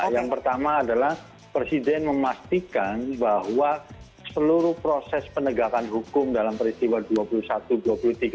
yang pertama adalah presiden memastikan bahwa seluruh proses penegakan hukum dalam perisian ini